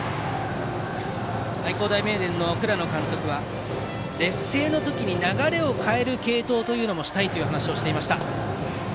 愛工大名電の倉野監督は劣勢の時に流れを変える継投もしたいという話をしていました。